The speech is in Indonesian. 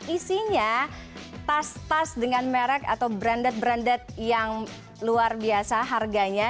isinya tas tas dengan merek atau branded branded yang luar biasa harganya